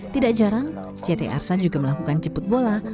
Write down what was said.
tidak jarang ct arsa juga melakukan jemput bola